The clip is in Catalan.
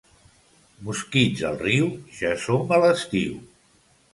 Mosquits al riu, ja som a l'estiu.